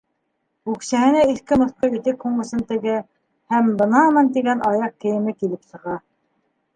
Үксәһенә иҫке- моҫҡо итек ҡуңысын тегә, һәм бынамын тигән аяҡ кейеме килеп сыға.